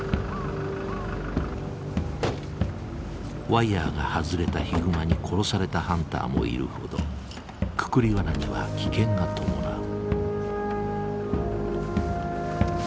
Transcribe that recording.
ワイヤーが外れたヒグマに殺されたハンターもいるほどくくりワナには危険が伴う。